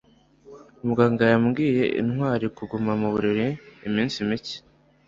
muganga yabwiye ntwali kuguma mu buriri iminsi mike